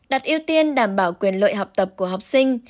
đặt ưu tiên đảm bảo quyền lợi học tập của học sinh